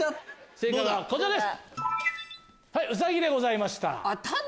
正解はこちらです。